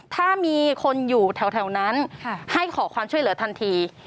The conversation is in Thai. ถ้ามีคนอยู่แถวนั้นให้ขอความช่วยเหลือทันที